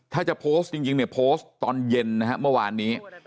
ถ้าจะโพสต์จริงเนี่ยโพสต์ตอนเย็นนะฮะเมื่อวานนี้